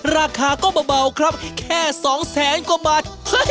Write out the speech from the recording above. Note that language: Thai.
ราคาก็เบาครับแค่๒๐๐บาท